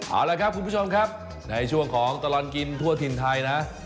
เอาละครับคุณผู้ชมครับในช่วงของตลอดกินทั่วถิ่นไทยนะ